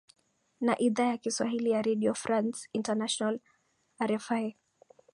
na idhaa ya kiswahili ya redio france international rfi